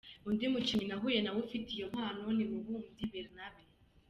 Undi mukinnyi nahuye nawe ufite iyo mpano ni Mubumbyi Bernabe.